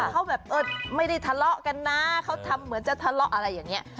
เขาแบบเออไม่ได้ทะเลาะกันนะเขาทำเหมือนจะทะเลาะอะไรอย่างนี้